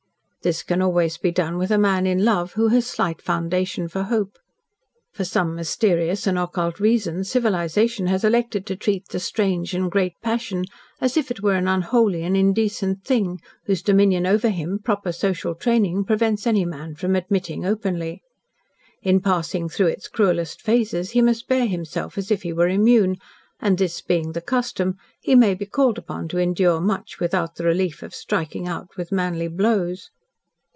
This can always be done with a man in love who has slight foundation for hope. For some mysterious and occult reason civilisation has elected to treat the strange and great passion as if it were an unholy and indecent thing, whose dominion over him proper social training prevents any man from admitting openly. In passing through its cruelest phases he must bear himself as if he were immune, and this being the custom, he may be called upon to endure much without the relief of striking out with manly blows.